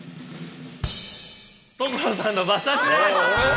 所さんの馬刺しです。